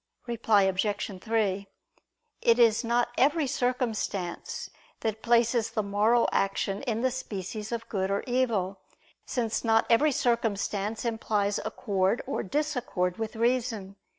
Reply Obj. 3: It is not every circumstance that places the moral action in the species of good or evil; since not every circumstance implies accord or disaccord with reason.